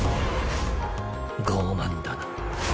傲慢だな。